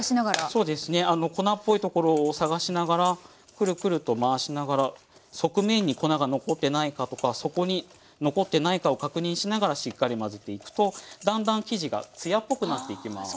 そうですね粉っぽいところを探しながらクルクルと回しながら側面に粉が残ってないかとか底に残ってないかを確認しながらしっかり混ぜていくとだんだん生地がツヤっぽくなっていきます。